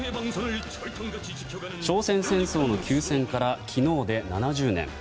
朝鮮戦争の休戦から昨日で７０年。